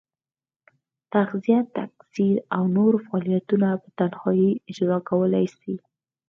تغذیه، تکثر او نور فعالیتونه په تنهایي اجرا کولای شي.